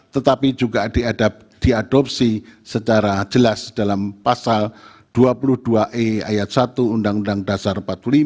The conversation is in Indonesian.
tetapi juga diadopsi secara jelas dalam pasal dua puluh dua e ayat satu undang undang dasar empat puluh lima